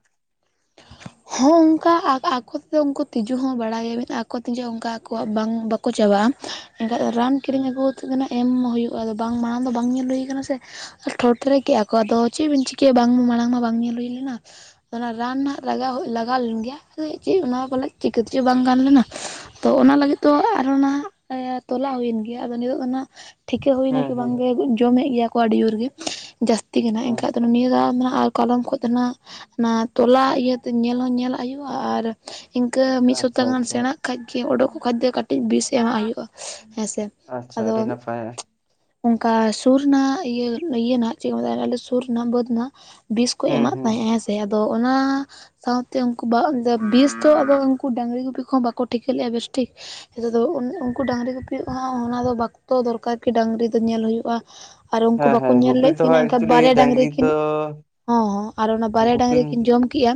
[SPEAKER 2] ᱦᱚᱸᱜ ᱚᱝᱠᱟ ᱟᱠ ᱟᱠᱩ ᱛᱮᱫᱚ ᱩᱱᱠᱩ ᱛᱤᱡᱩ ᱦᱚᱸ ᱵᱟᱲᱟᱭᱟ ᱵᱮᱱ ᱟᱠᱚ ᱛᱤᱡᱩ ᱚᱱᱠᱟ ᱟᱠᱚᱣᱟᱜ ᱵᱟᱝ ᱵᱟᱹᱠᱼᱼ ᱠᱚ ᱪᱟᱵᱟᱜ-ᱟ ᱮᱱᱠᱷᱟᱡ ᱫᱚ ᱨᱟᱱ
[SPEAKER 1] ᱦᱩᱸ
[SPEAKER 2] ᱠᱤᱨᱤᱧ ᱟᱹᱜᱩ ᱠᱟᱛᱮᱜ ᱫᱚ ᱱᱟᱦᱟᱸᱜ ᱮᱢ ᱦᱩᱭᱩᱜ-ᱟ ᱟᱫᱚ ᱵᱟᱝ ᱢᱟᱬᱟᱝ ᱫᱚ ᱵᱟᱝ ᱧᱮᱞ ᱦᱩᱭᱩ ᱠᱟᱱᱟ ᱥᱮᱼᱼ ᱴᱷᱚᱴ ᱨᱮ ᱠᱮᱜ ᱟᱠᱚ ᱟᱫᱚ ᱪᱤᱜ ᱵᱤᱱ ᱪᱤᱠᱟᱹᱭᱟ ᱵᱟᱝ ᱢᱟᱬᱟᱝ ᱢᱟ ᱵᱟᱝ ᱧᱮᱞ ᱦᱩᱭ ᱞᱮᱱᱟ ᱚᱱᱟ ᱨᱟᱱ ᱱᱟᱜᱼᱼ ᱞᱟᱜᱟᱣ ᱞᱟᱜᱟᱣ ᱞᱮᱱ ᱜᱮᱭᱟ ᱟᱫᱚ ᱪᱤᱜ ᱚᱱᱟ ᱯᱟᱞᱮᱜ ᱪᱤᱠᱟᱹ ᱛᱮ ᱪᱚ ᱵᱟᱝ ᱜᱟᱱ ᱞᱮᱱᱟ᱾ ᱛᱚ ᱚᱱᱟ ᱞᱟᱜᱤᱫ ᱫᱚ ᱟᱨᱚ ᱱᱟᱦᱟᱸᱜ ᱮᱸ ᱛᱚᱞᱟ ᱦᱩᱭᱮᱱ ᱜᱮᱭᱟ ᱟᱫᱚ ᱱᱤᱛᱚᱜ ᱫᱚ ᱱᱟᱦᱟᱸᱜᱼᱼ ᱴᱷᱤᱠᱟᱹ ᱦᱩᱭ ᱱᱟ
[SPEAKER 1] ᱦᱩᱸ
[SPEAKER 2] ᱠᱤ ᱵᱟᱝ
[SPEAKER 1] ᱦᱩᱸ
[SPEAKER 2] ᱜᱮ ᱡᱚᱢᱮᱜ ᱜᱮᱭᱟᱼᱼ ᱠᱚ ᱟᱰᱤ ᱡᱩᱨ ᱜᱮ ᱡᱟᱹᱥᱛᱤ ᱜᱮ ᱱᱟᱦᱟᱸᱜ
[SPEAKER 1] ᱦᱩᱸ
[SPEAKER 2] ᱮᱱᱠᱷᱟᱡ ᱫᱚ ᱱᱤᱭᱟᱹ ᱫᱚ ᱱᱟᱦᱟᱸᱜ ᱠᱟᱞᱚᱢ ᱠᱷᱚᱡ ᱫᱚ ᱱᱟᱦᱟᱸᱜᱼᱼ ᱚᱱᱟ ᱛᱚᱞᱟ ᱤᱭᱟᱹ ᱛᱮᱡ ᱧᱮᱞ ᱦᱚᱸ ᱧᱮᱞᱟᱜ ᱦᱩᱭᱩᱜ-ᱟ ᱟᱨ ᱤᱱᱠᱟᱹ ᱢᱤᱫ
[SPEAKER 1] ᱟᱪᱪᱷᱟ
[SPEAKER 2] ᱥᱚᱯᱛᱟᱦ ᱜᱟᱱ
[SPEAKER 1] ᱟᱪᱪᱷᱟ
[SPEAKER 2] ᱥᱮᱬᱟᱜᱼᱼ ᱠᱷᱟᱡ ᱠᱮ ᱚᱰᱳᱠᱚᱜ ᱠᱷᱟᱡ ᱫᱚ ᱠᱟᱴᱤᱡ ᱵᱤᱥ ᱮᱢᱟᱜ ᱦᱩᱭᱩᱜ-ᱟ ᱦᱮᱸ ᱥᱮ᱾
[SPEAKER 1] ᱟᱪᱪᱷᱟ ᱟᱹᱰᱤ ᱱᱟᱯᱟᱭᱟ᱾
[SPEAKER 2] ᱚᱝᱠᱟ ᱥᱩᱨ ᱨᱮᱱᱟᱜ ᱤᱭᱟᱹ ᱤᱭᱟᱹ ᱱᱟᱦᱟᱸᱜ ᱪᱮᱜ ᱠᱚ ᱢᱮᱛᱟᱜ-ᱟ ᱟᱞᱮ‌ ᱥᱩᱨ ᱨᱮᱱᱟᱜ ᱵᱟᱹᱫᱽ ᱱᱟᱦᱟᱸᱜᱼᱼ ᱵᱤᱥ ᱠᱚ
[SPEAKER 1] ᱦᱩᱸ
[SPEAKER 2] ᱮᱢᱟᱜ
[SPEAKER 1] ᱦᱩᱸ ᱦᱩᱸ
[SPEAKER 2] ᱛᱟᱦᱮᱸᱜ ᱦᱮᱸᱥᱮ ᱟᱫᱚ ᱚᱱᱟᱼᱼ ᱥᱟᱶᱛᱮ ᱩᱱᱠᱩ ᱵᱟ ᱟᱫᱚ ᱵᱤᱥ ᱫᱚ ᱟᱫᱚ ᱩᱱᱠᱩ ᱰᱟᱹᱝᱨᱤ ᱜᱩᱯᱤ ᱠᱚᱦᱚᱸ ᱵᱟᱠᱚ ᱴᱷᱤᱠᱟᱹ ᱞᱮᱜ-ᱟ ᱵᱮᱥ ᱴᱷᱤᱠ᱾ ᱦᱤᱸᱛᱚᱜ ᱫᱚ ᱩᱱ ᱩᱱᱠᱩ ᱰᱟᱹᱝᱨᱤ ᱜᱩᱯᱤᱭ ᱠᱚᱦᱚᱸ ᱚᱱᱟ ᱫᱚ ᱵᱟᱠ ᱛᱚ ᱫᱚᱨᱠᱟᱨ ᱠᱤ ᱰᱟᱹᱝᱨᱤ ᱫᱚ ᱧᱮᱞ ᱦᱩᱭᱩᱜ-ᱟ᱾ ᱟᱨ ᱩᱱᱠᱩ
[SPEAKER 1] ᱦᱮᱸ
[SPEAKER 2] ᱵᱟᱠᱚ
[SPEAKER 1] ᱦᱮᱸ
[SPEAKER 2] ᱧᱮᱞ
[SPEAKER 1] ᱜᱩᱯᱤ
[SPEAKER 2] ᱞᱮᱜ
[SPEAKER 1] ᱛᱚ
[SPEAKER 2] ᱠᱤᱱᱟᱹ
[SPEAKER 1] ᱦᱟᱸᱜ
[SPEAKER 2] ᱮᱱᱠᱷᱟᱡ
[SPEAKER 1] ᱮᱠᱪᱩᱭᱮᱞᱤ
[SPEAKER 2] ᱵᱟᱨᱭᱟ ᱰᱟᱝᱨᱤ
[SPEAKER 1] ᱛᱚ
[SPEAKER 2] ᱠᱤᱱᱼᱼ ᱚᱸᱦᱚᱸ ᱟᱨ ᱚᱱᱟ ᱵᱟᱨᱭᱟ
[SPEAKER 1] ᱜᱩᱯᱤᱢ
[SPEAKER 2] ᱰᱟᱹᱝᱨᱤ ᱠᱤᱱ ᱡᱚᱢ ᱠᱮᱜ-ᱟᱼᱼ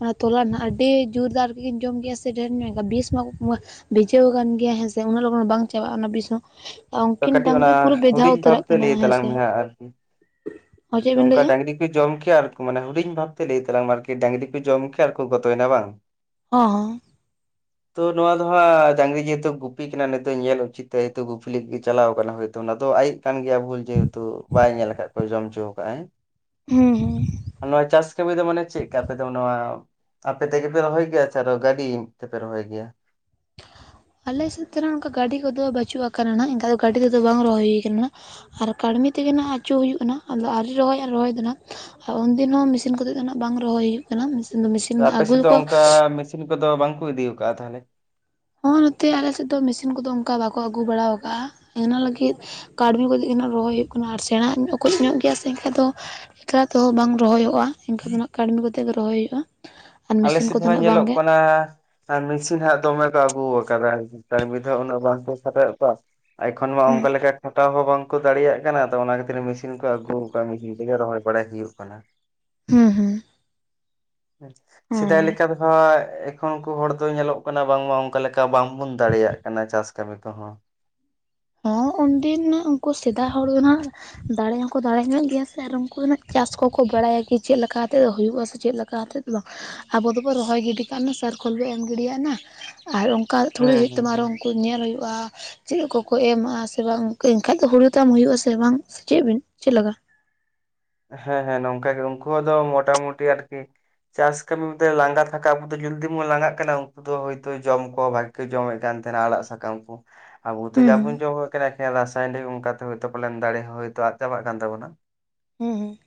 [SPEAKER 2] ᱚᱱᱟ ᱛᱚᱞᱟ ᱱᱟᱦᱟᱸᱜ ᱟᱰᱤ ᱡᱩᱨᱫᱟᱨ ᱛᱤᱠᱤᱱ ᱡᱚᱢ ᱠᱮᱜ-ᱟ ᱥᱮ ᱰᱷᱮᱨ ᱧᱚᱜ ᱮᱱᱠᱷᱟᱡ ᱵᱤᱥ ᱢᱟᱠᱚ ᱢᱟᱼᱼ ᱵᱷᱤᱡᱟᱹᱣ ᱠᱟᱱ ᱜᱮᱭᱟ ᱦᱮᱸ ᱥᱮ ᱩᱱᱟᱹᱜ ᱞᱚᱜᱚᱱ ᱵᱟᱝ ᱪᱟᱵᱟᱜ-ᱟ ᱚᱱᱟ ᱵᱤᱥ ᱦᱚᱸᱼᱼ ᱟᱻ
[SPEAKER 1] ᱛᱚ
[SPEAKER 2] ᱩᱱᱠᱤᱱ
[SPEAKER 1] ᱠᱟᱹᱴᱤᱡ ᱚᱱᱟ
[SPEAKER 2] ᱰᱟᱝᱨᱤ ᱯᱩᱨᱟᱹ ᱵᱷᱮᱷᱟᱣ
[SPEAKER 1] ᱦᱩᱰᱤᱧ
[SPEAKER 2] ᱩᱛᱟᱹᱨᱟᱜ
[SPEAKER 1] ᱵᱷᱟᱵᱛᱮ
[SPEAKER 2] ᱠᱤᱱᱟᱹ ᱦᱮᱸ ᱥᱮ᱾
[SPEAKER 1] ᱟᱨ ᱪᱚ ᱚᱝᱠᱟ ᱰᱟᱝᱨᱤᱼᱼ ᱡᱚᱢ ᱠᱮᱜ-ᱟ ᱟᱨ ᱠᱚ ᱢᱟᱱᱮ ᱦᱩᱰᱤᱧ ᱵᱷᱟᱵᱽ ᱛᱮ ᱞᱟᱹᱭ ᱛᱟᱞᱟᱝ ᱟᱨᱠᱤ ᱰᱟᱹᱝᱨᱤ ᱠᱚ ᱡᱚᱢ ᱠᱮᱜ ᱟᱨ ᱠᱚ ᱜᱚᱛᱚ ᱭᱮᱱᱟ ᱵᱟᱝ?
[SPEAKER 2] ᱚᱸ ᱦᱚᱸ᱾
[SPEAKER 1] ᱛᱚ ᱱᱚᱣᱟ ᱫᱚ ᱦᱟᱸᱜ ᱟᱻ ᱰᱟᱝᱨᱤ ᱡᱮ ᱦᱮᱛᱩ ᱜᱩᱯᱤ ᱠᱟᱱᱟ ᱱᱩᱭ ᱛᱚ ᱧᱮᱞ ᱩᱪᱤᱛ ᱛᱟᱭ ᱛᱚ ᱜᱩᱯᱤ ᱞᱟᱹᱜᱤᱫ ᱪᱟᱞᱟᱣ ᱠᱟᱱᱟᱭ ᱦᱚᱭᱛᱚ ᱚᱱᱟ ᱫᱚ ᱟᱡᱼᱼ ᱠᱟᱱ ᱜᱮᱭᱟ ᱵᱷᱩᱞ ᱡᱮ ᱦᱮᱛᱩ ᱵᱟᱭ ᱧᱮᱞ ᱠᱟᱜ ᱠᱚᱣᱟᱭ ᱡᱚᱢ ᱪᱩᱣ ᱠᱟᱜ-ᱟᱭ᱾
[SPEAKER 2] ᱦᱩᱸ ᱦᱩᱸ᱾
[SPEAKER 1] ᱱᱚᱣᱟ ᱪᱟᱥ ᱠᱟᱹᱢᱤ ᱫᱚ ᱢᱟᱱᱮ ᱪᱮᱜ ᱠᱟ ᱟᱯᱮ ᱫᱚ ᱱᱚᱣᱟᱼᱼ ᱟᱯᱮ ᱛᱮᱜᱮ ᱯᱮ ᱨᱚᱦᱚᱭ ᱜᱮᱭᱟ ᱥᱮ ᱟᱨᱚ ᱜᱟᱹᱰᱤ ᱛᱮᱯᱮ ᱨᱚᱦᱚᱭ ᱜᱮᱭᱟ?
[SPEAKER 2] ᱟᱞᱮ ᱥᱮᱫ ᱛᱮ ᱱᱟᱜ ᱱᱚᱝᱠᱟ ᱜᱟᱹᱰᱤ ᱠᱚᱫᱚ ᱵᱟᱹᱪᱩᱜ ᱟᱠᱟᱱᱟ ᱱᱟᱦᱟᱸᱜ ᱮᱱᱠᱟ ᱫᱚ ᱜᱟᱹᱰᱤ ᱛᱮᱫᱚ ᱵᱟᱝ ᱨᱚᱦᱚᱭ ᱦᱩᱭ ᱠᱟᱱᱟ᱾ ᱟᱨ ᱠᱟᱲᱢᱤ ᱛᱮᱜᱮ ᱱᱟᱦᱟᱸᱜ ᱟᱹᱪᱩ ᱦᱩᱭᱩᱜ ᱠᱟᱱᱟ ᱟᱫᱚ ᱟᱣᱨᱤ ᱨᱚᱦᱚᱭᱚᱜ-ᱟ ᱨᱚᱦᱚᱭ ᱫᱚ ᱱᱟᱦᱟᱸᱜ᱾ ᱦᱚᱸ ᱩᱱ ᱫᱤᱱ ᱦᱚᱸ ᱢᱤᱥᱤᱱ ᱠᱚᱛᱮ ᱫᱚ ᱱᱟᱦᱟᱸᱜ ᱵᱟᱝ ᱨᱚᱦᱚᱭ ᱦᱩᱭᱩᱜ ᱠᱟᱱᱟ ᱢᱤᱥᱤᱱ ᱫᱚ ᱢᱤᱥᱤᱱ ᱟᱜᱩ ᱟ ᱠᱚᱼᱼ
[SPEAKER 1] ᱴᱤᱯᱤᱱ ᱠᱩᱫᱚ ᱵᱟᱝ ᱠᱚ ᱤᱫᱤᱣ ᱠᱟᱜ-ᱟ ᱛᱟᱦᱚᱞᱮ?
[SPEAKER 2] ᱦᱚᱸ ᱱᱚᱛᱮ ᱟᱞᱮ ᱥᱮᱜ ᱫᱚ ᱢᱤᱥᱤᱱ ᱠᱩᱫᱚ ᱚᱱᱠᱟ ᱵᱟᱠᱚ ᱟᱜᱩ ᱵᱟᱲᱟᱣ ᱠᱟᱜ-ᱟ ᱤᱱᱟᱹ ᱞᱟᱹᱜᱤᱫᱼᱼ ᱠᱟᱹᱲᱢᱤ ᱠᱚ ᱞᱟᱹᱜᱤᱫ ᱜᱮ ᱦᱜ ᱨᱚᱦᱚᱭ ᱦᱩᱭᱩᱜ ᱠᱟᱱᱟ ᱟᱨ ᱥᱮᱬᱟ ᱚᱠᱚᱡ ᱧᱚᱜ ᱜᱮᱭᱟ ᱥᱮ ᱮᱱᱠᱷᱟᱡ ᱫᱚ ᱮᱠᱞᱟ ᱛᱮᱦᱚᱸ ᱵᱟᱝ ᱨᱚᱦᱚᱭᱚᱜᱼᱟ ᱤᱱᱠᱷᱟᱱ ᱫᱚ ᱱᱟᱜ ᱠᱟᱹᱢᱤ ᱠᱟᱛᱮᱜ ᱜᱮ ᱨᱚᱦᱚᱭ ᱦᱩᱭᱩᱜᱼᱟ ᱟᱨ
[SPEAKER 1] ᱟᱞᱮ
[SPEAKER 2] ᱢᱮᱥᱤᱱ
[SPEAKER 1] ᱥᱮᱫ
[SPEAKER 2] ᱠᱚᱫᱚ
[SPEAKER 1] ᱦᱚᱸ
[SPEAKER 2] ᱱᱟᱜ
[SPEAKER 1] ᱧᱮᱞᱚᱜ
[SPEAKER 2] ᱵᱟᱝᱜᱮ
[SPEAKER 1] ᱠᱟᱱᱟ ᱟᱨ ᱢᱮᱥᱤᱱ ᱦᱟᱸᱜ ᱫᱚᱢᱮ ᱠᱚ ᱟᱹᱜᱩ ᱟᱠᱟᱫᱟ ᱠᱟᱲᱢᱤᱫ ᱫᱚ ᱦᱟᱸᱜ ᱩᱱᱟᱹᱜ ᱵᱟᱝᱠᱚ ᱠᱷᱟᱴᱣᱮᱫ ᱠᱚᱣᱟ! ᱮᱠᱷᱚᱱ ᱢᱟ
[SPEAKER 2] ᱦᱩᱸ
[SPEAKER 1] ᱚᱚᱝᱠᱟ ᱞᱮᱠᱟ ᱠᱷᱴᱟᱣ ᱦᱚᱸ ᱵᱟᱝᱠᱚ ᱫᱟᱲᱮᱭᱟᱜ ᱠᱟᱱᱟ ᱚᱱᱟ ᱠᱷᱟᱹᱛᱤᱨ ᱢᱮᱥᱤᱱ ᱠᱚ ᱟᱹᱜᱩ ᱟᱠᱟᱫ ᱢᱮᱥᱤᱱ ᱛᱮᱜᱮ ᱨᱚᱦᱚᱭ ᱵᱟᱲᱟᱭ ᱦᱩᱭᱩᱜ ᱠᱟᱱᱟ [inaudible]
[SPEAKER 2] ᱦᱩᱸ ᱦᱩᱸ
[SPEAKER 1] ᱥᱮᱫᱟᱭ
[SPEAKER 2] ᱦᱮᱸ
[SPEAKER 1] ᱞᱮᱠᱟ ᱫᱚ ᱦᱟᱸᱜ ᱩᱱᱠᱩ ᱦᱚᱲ ᱫᱚ ᱧᱮᱞᱚᱜ ᱠᱟᱱᱟ ᱵᱟᱝᱢᱟ ᱚᱱᱠᱟ ᱞᱮᱠᱟ ᱵᱟᱝᱵᱚᱱ ᱫᱟᱲᱮᱭᱟᱜ ᱠᱟᱱᱟ ᱪᱟᱥ ᱠᱟᱹᱢᱤ ᱠᱚᱦᱚᱸ
[SPEAKER 2] ᱦᱚᱸ ᱩᱱᱫᱤᱱ ᱩᱱᱠᱩ ᱥᱮᱫᱟᱭ ᱦᱚᱲ ᱫᱚ ᱦᱟᱸᱜ ᱫᱟᱲᱮ ᱦᱚᱸᱠᱚ ᱫᱟᱲᱮ ᱧᱚᱜ ᱜᱮᱭᱟ ᱥᱮ ᱟᱨ ᱩᱱᱠᱩ ᱦᱱᱟᱜ ᱪᱟᱥ ᱠᱚᱠᱚ ᱵᱟᱲᱟᱭᱟ ᱠᱤ ᱪᱮᱫ ᱞᱮᱠᱟ ᱠᱟᱛᱮᱫ ᱦᱩᱭᱩᱜᱼᱟ ᱥᱮ ᱪᱮᱫ ᱞᱮ ᱚᱱᱠᱟᱛᱮᱫᱚ ᱟᱵᱚ ᱫᱚᱵᱚ ᱨᱚᱦᱚᱭ ᱜᱤᱰᱤ ᱠᱟᱜ ᱥᱟᱨᱠᱷᱳᱞ ᱵᱚ ᱮᱢ ᱜᱤᱰᱤᱭᱟᱟᱜᱱᱟ ᱟᱨ ᱚᱱᱠᱟ ᱛᱷᱲᱤ
[SPEAKER 1] ᱦᱩᱸ
[SPEAKER 2] ᱦᱩᱭᱩᱜ
[SPEAKER 1] ᱦᱩᱸ
[SPEAKER 2] ᱛᱟᱢᱟ ᱟᱨᱚ
[SPEAKER 1] ᱦᱩᱸ
[SPEAKER 2] ᱩᱱᱠᱩ ᱧᱮᱞ ᱦᱩᱭᱩᱜᱼᱟ ᱪᱮᱫ ᱠᱚ ᱠᱚ ᱮᱢᱟᱜᱼᱟ ᱥᱮ ᱵᱟᱝ ᱮᱱᱠᱷᱟᱡ ᱫᱚ ᱦᱳᱲᱩ ᱛᱟᱢ ᱦᱩᱭᱩᱜᱼᱟ ᱥᱮ ᱵᱟᱝ ᱥᱮ ᱪᱮᱫ ᱵᱤᱱ ᱪᱮᱫ ᱞᱮᱠᱟ
[SPEAKER 1] ᱦᱮᱸ ᱦᱮᱸ ᱱᱚᱝᱠᱟ ᱜᱮ ᱩᱱᱠᱩᱣᱟᱜ ᱫᱚ ᱢᱚᱴᱟᱢᱩᱴᱤ ᱟᱨᱠᱤ ᱪᱟᱥ ᱠᱟᱹᱢᱤ ᱞᱟᱸᱜᱟ ᱛᱷᱟᱠᱟ ᱟᱵᱚ ᱫᱚ ᱡᱚᱫᱤ ᱵᱚᱱ ᱞᱟᱸᱜᱟᱜ ᱠᱟᱱᱟ ᱩᱱᱠᱩ ᱫᱚ ᱦᱭᱛ ᱡᱚᱢ ᱠᱚ ᱵᱷᱟ. ᱜᱤ ᱡᱚᱢᱮᱫ ᱠᱟᱱ ᱛᱟᱦᱮᱱᱟ ᱟᱲᱟᱜ ᱥᱟᱠᱟᱢ ᱠᱚ ᱟᱵᱚ ᱛᱚ
[SPEAKER 2] ᱦᱩᱸ ᱦᱩᱸ
[SPEAKER 1] ᱡᱟᱵᱚᱱ ᱡᱚᱢᱚᱜ ᱠᱟᱱᱟ ᱮ ᱨᱟᱥᱟᱭᱚᱱᱤᱠ ᱚᱱᱠᱟᱛᱮᱭᱛ ᱯᱟᱞᱮᱱ ᱫᱟᱲᱮ ᱦᱚᱸ ᱦᱳᱭᱛᱳ ᱟᱫ ᱪᱟᱵᱟᱜ ᱠᱟᱱ ᱛᱟᱵᱚᱱᱟ
[SPEAKER 2] ᱦᱩᱸ ᱦᱩᱸ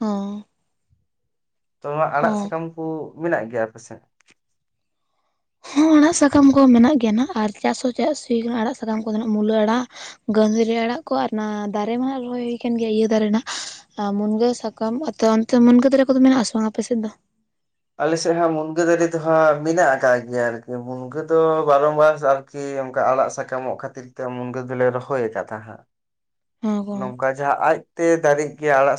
[SPEAKER 2] ᱦᱚ
[SPEAKER 1] ᱛᱚ ᱱᱚᱣᱟ ᱟᱲᱟᱜ ᱥᱟᱠᱟᱢ ᱠᱚ ᱢᱮᱱᱟᱜ ᱜᱮᱭᱟ ᱟᱯᱮᱥᱮᱫ
[SPEAKER 2] ᱦᱚᱸ ᱟᱲᱟᱜ ᱥᱟᱠᱟᱢ ᱠᱚ ᱢᱮᱱᱟᱜ ᱜᱮᱭᱟ ᱟᱨ ᱪᱟᱥ ᱦᱚᱸ ᱪᱟᱥ ᱦᱩᱭ ᱟᱠᱟᱱᱟ ᱟᱲᱟ ᱥᱟᱠᱟᱢ ᱠᱚᱫᱚᱱᱟᱜ ᱢᱩᱞᱟᱹ ᱟᱲᱟᱜ ᱜᱟᱹᱫᱷᱟᱨᱤ ᱠᱚ ᱟᱲᱟᱜ ᱠᱚ ᱟᱨ ᱚᱱᱟ ᱫᱟᱨᱮ ᱢᱟ ᱨᱚᱦᱚᱭ ᱦᱩᱭ ᱟᱠᱟᱱ ᱜᱮᱭᱟ ᱤᱭᱟᱹ ᱫᱟᱨᱮ ᱨᱮᱱᱟᱜ ᱟᱨ ᱢᱩᱱᱜᱟᱹ ᱥᱟᱠᱟᱢ ᱚᱱᱛᱮ ᱢᱩᱱᱜᱟᱹ ᱫᱟᱨᱮ ᱠᱚᱫᱚ ᱢᱮᱱᱟᱜᱼᱟ ᱟᱥ ᱵᱟᱝ ᱟᱯᱮᱥᱮᱫ ᱫᱚ
[SPEAKER 1] ᱟᱞᱮᱥᱮᱫ ᱦᱚᱸ ᱢᱩᱱᱜᱟᱹ ᱫᱟᱨᱮ ᱫᱚᱦᱟᱸ ᱢᱮᱱᱟᱜ ᱟᱠᱟᱫ ᱜᱮᱭᱟ ᱟᱨᱠᱤ ᱢᱩᱱᱜᱟᱹ ᱫᱚ ᱵᱟᱨᱚ ᱢᱟᱥ ᱠᱤ ᱚᱱᱠᱟ ᱟᱲᱟᱜ ᱥᱟᱠᱟᱢᱚᱜ ᱠᱷᱟᱹᱛᱤᱨ ᱛᱮ ᱢᱩᱱᱜᱟᱹ ᱫᱚᱞᱮ ᱨᱚᱦᱚᱭ ᱟᱠᱟᱫ ᱛᱟᱦᱟᱸᱜ
[SPEAKER 2] [inaudible] ᱜᱚᱝ
[SPEAKER 1] ᱱᱚᱝᱠᱟ ᱡᱟᱦᱟᱸ ᱟᱡᱛᱮ ᱫᱟᱨᱮ ᱜᱮᱭᱟ ᱟᱲᱟᱜ ᱥᱟ